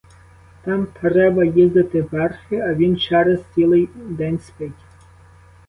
Там треба їздити верхи, а він через цілий день спить.